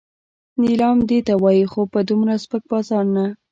نیلام دې وای خو په دومره سپک بازار نه.